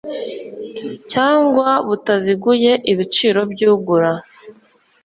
cyangwa butaziguye ibiciro by ugura